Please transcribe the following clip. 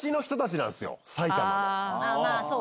まあまあ、そうか。